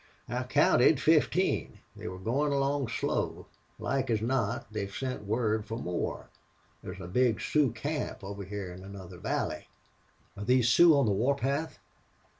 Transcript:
"I counted fifteen. They were goin' along slow. Like as not they've sent word fer more. There's a big Sioux camp over hyar in another valley." "Are these Sioux on the war path?"